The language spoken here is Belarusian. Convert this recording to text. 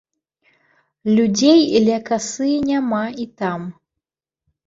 Людзей ля касы няма і там.